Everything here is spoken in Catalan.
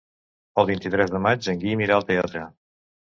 El vint-i-tres de maig en Guim irà al teatre.